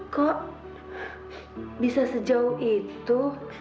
kok bisa sejauh itu